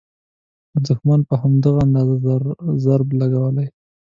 دوښمن په همدغه اندازه ضرب لګولی.